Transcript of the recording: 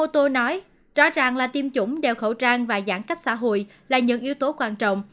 tiêm chủng đeo khẩu trang và giãn cách xã hội là những yếu tố quan trọng